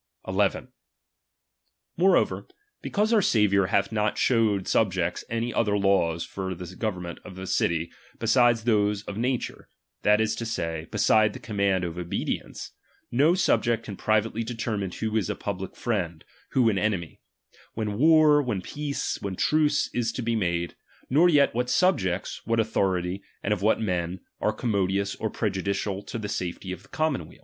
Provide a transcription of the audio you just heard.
1 1 . Moreover, because our Saviour hath not i< showed subjects any other laws for the govern m ment of a city, beside those of nature, that is to ^^^ say, beside the command of obedience ; no subject '^' can privately determine who is a public friend, who an enemy, when war, when peace, when truce is to be made, nor yet what subjects, what authority and of what men, are commodious or prejudicial to the safety of the commonweal.